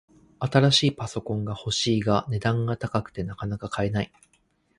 新しいパソコンが欲しいが、値段が高くてなかなか買えない